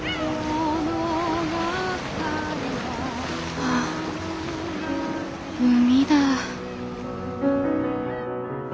ああ海だぁ！